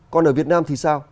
còn ở việt nam thì sao